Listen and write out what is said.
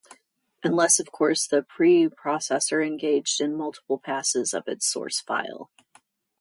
Unless of course the pre-processor engaged in multiple passes of its source file.